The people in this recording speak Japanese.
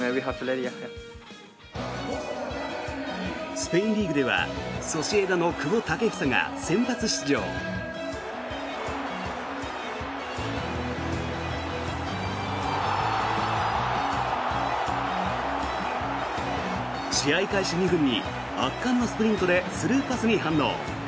スペインリーグではソシエダの久保建英が先発出場。試合開始２分に圧巻のスプリントでスルーパスに反応。